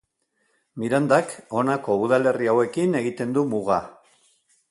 Mirandak honako udalerri hauekin egiten du muga.